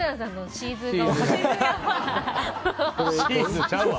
シーズーちゃうわ。